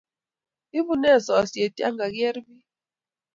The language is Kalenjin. ibu ne sosyet ya kikier biik?